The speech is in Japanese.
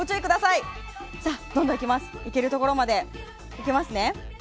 いけるところまでいきますね。